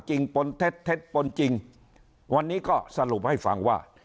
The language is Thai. ปนเท็จเท็จปนจริงวันนี้ก็สรุปให้ฟังว่า